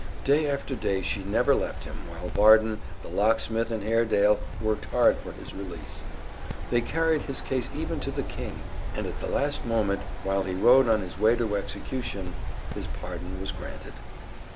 Day after day she never left him, while Varden, the locksmith, and Haredale worked hard for his release. They carried his case even to the King, and at the last moment, while he rode on his way to execution, his pardon was granted.